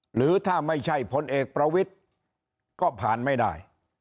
หรือถ้าไม่ใช่พลเอกประวิทธิ์ก็ผ่านไม่ได้